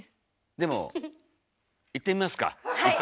でもいってみますか一発。